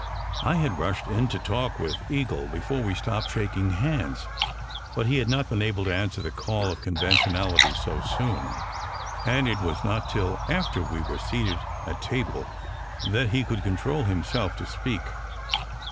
I had rushed into talk with Eagle before we stopped shaking hands; but he had not been able to answer the call of conventionality so soon; and it was not till after we were seated at table that he could control himself to speak.